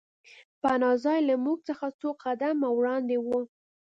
پناه ځای له موږ څخه څو سوه قدمه وړاندې و